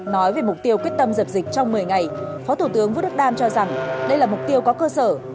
nói về mục tiêu quyết tâm dập dịch trong một mươi ngày phó thủ tướng vũ đức đam cho rằng đây là mục tiêu có cơ sở